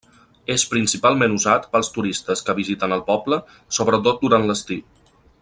És principalment usat pels turistes que visiten el poble, sobretot durant l'estiu.